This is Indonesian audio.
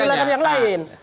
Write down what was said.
istilahkan yang lain